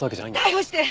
逮捕して！